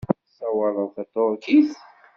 Tessawaleḍ taṭerkit?